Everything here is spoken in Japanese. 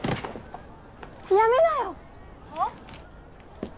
やめなよ！は？